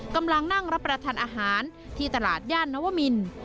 กำลังนั่งรับประทานอาหารที่ตลาดย่านนวมิน